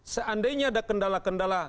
seandainya ada kendala kendala